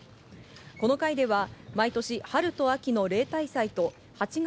この会では毎年、春と秋の例大祭と８月